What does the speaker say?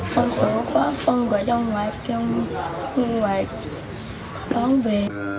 không sợ quá không gọi cho ngoài kêu không gọi bán về